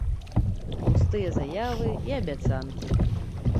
Пустыя заявы і абяцанкі.